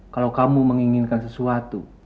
kalau kamu menginginkan sesuatu